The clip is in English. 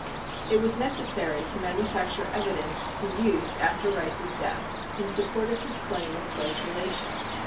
It was necessary to manufacture evidence to be used after Rice's death in support of his claim of close relations.